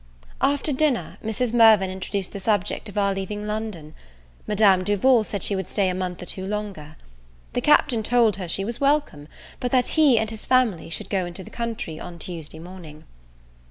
After dinner, Mrs. Mirvan introduced the subject of our leaving London. Madame Duval said she would stay a month or two longer. The Captain told her she was welcome, but that he and his family should go into the country on Tuesday morning.